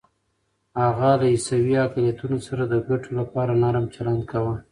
هغه له عیسوي اقلیتونو سره د ګټو لپاره نرم چلند کاوه.